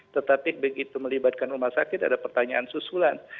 tetapi begitu melibatkan rumah sakit ada pertanyaan susulan